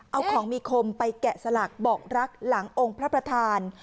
เอาของมีคมไปแกะสลักบอกรักหลังองค์พระประธาน